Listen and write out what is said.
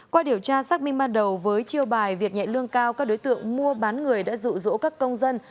qua điều tra xác minh ban đầu với chiêu bài việc nhẹ lương cao các đối tượng mua bán người đã dụ dỗ các công dân